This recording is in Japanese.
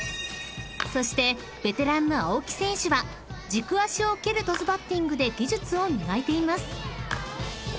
［そしてベテランの青木選手は軸足を蹴るトスバッティングで技術を磨いています］